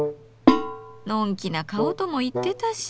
のんきな顔とも言ってたし。